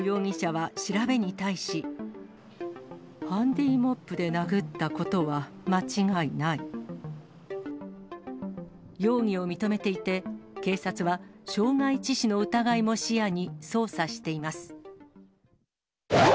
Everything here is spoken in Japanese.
ハンディモップで殴ったこと容疑を認めていて、警察は傷害致死の疑いも視野に捜査しています。